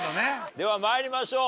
では参りましょう。